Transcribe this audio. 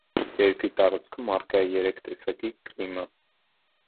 Երկրի տարածքում առկա է երեք տեսակի կլիմա։